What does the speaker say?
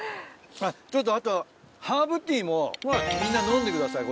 あとハーブティーもみんな飲んでください。